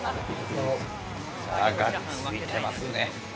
がっついてますね。